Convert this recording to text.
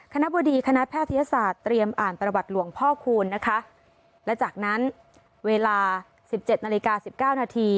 คณะบดีคณะแพทยศาสตร์เตรียมอ่านประวัติหลวงพ่อคูณนะคะและจากนั้นเวลาสิบเจ็ดนาฬิกาสิบเก้านาที